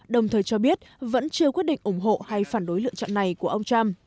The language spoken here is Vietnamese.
đồng thời cho biết vẫn chưa quyết định ủng hộ hay phản đối lựa chọn này của ông trump